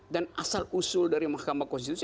dan asal usul dari mahkamah konstitusi